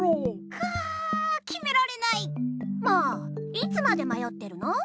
いつまでまよってるの？